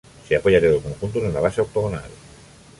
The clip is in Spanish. Se apoya todo el conjunto en una basa octogonal.